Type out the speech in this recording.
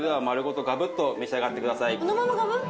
そのままガブッ。